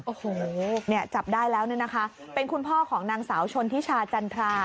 โอ้โหเนี่ยจับได้แล้วเนี่ยนะคะเป็นคุณพ่อของนางสาวชนทิชาจันทรา